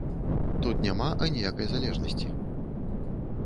Тут няма аніякай залежнасці.